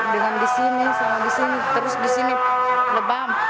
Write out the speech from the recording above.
dengan disini terus disini lebam